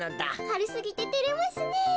かるすぎててれますねえ。